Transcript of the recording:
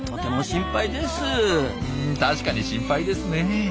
確かに心配ですね。